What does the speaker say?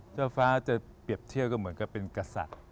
เจ้าฟ้าจะเปรียบเทียบก็เหมือนกับเป็นกษัตริย์